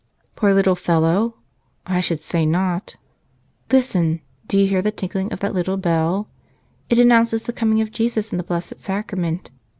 Poor little fellow? I should say not! Listen. Do you hear the tinkling of that little bell? It announces the coming of Jesus in the Blessed Sacrament.